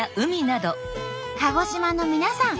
鹿児島の皆さん